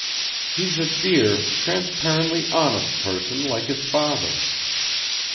He's a dear transparently honest person like his father.